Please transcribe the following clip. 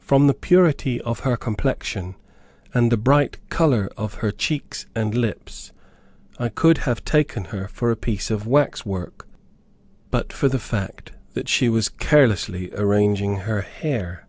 From the purity of her complexion, and the bright color of her cheeks and lips, I could have taken her for a piece of wax work, but for the fact that she was carelessly arranging her hair.